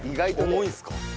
重いんすか？